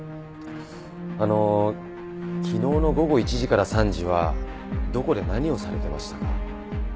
あの昨日の午後１時から３時はどこで何をされてましたか？